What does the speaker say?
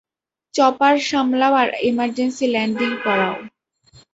Chopper সামলাও আর emergency landing করাও।